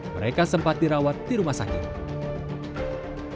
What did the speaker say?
mereka sempat dirawat di rumah sakit